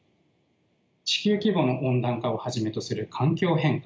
地球規模の温暖化をはじめとする環境変化